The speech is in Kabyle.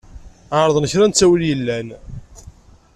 Ɛerḍen kra n ttawil yellan.